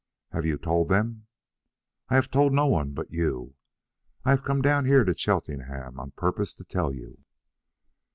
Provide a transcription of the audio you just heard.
"Have you told them?" "I have told no one but you. I have come down here to Cheltenham on purpose to tell you."